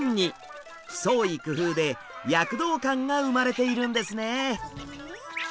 創意工夫で躍動感が生まれているんですね。